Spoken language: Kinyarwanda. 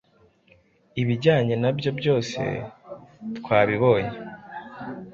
ibijyanye nabyo byose twabibonye